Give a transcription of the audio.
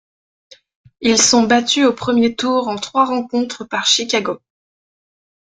Ils sont battus au premier tour en trois rencontres par Chicago.